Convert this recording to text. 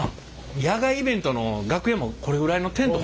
野外イベントの楽屋もこれぐらいのテント欲しい。